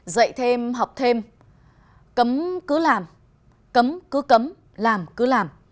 dạy thêm học thêm cấm cứ làm cấm cứ cấm làm cứ làm